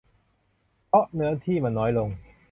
เพราะเนื้อที่มันน้อยลง